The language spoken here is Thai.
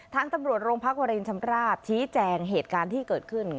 ทางตำรวจโรงพักวรินชำราบชี้แจงเหตุการณ์ที่เกิดขึ้น